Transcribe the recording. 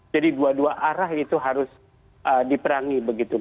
jadi dua dua arah itu harus diperangi